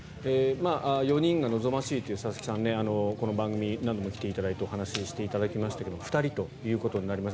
４人が望ましいという佐々木さんにこの番組に何度も来ていただいてお話していただきましたが２人ということになりました。